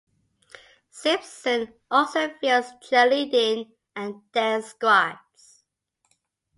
Simpson also fields cheerleading and dance squads.